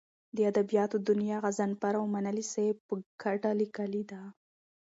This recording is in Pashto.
د ادبیاتو دونیا غضنفر اومنلی صاحب په کډه لیکلې ده.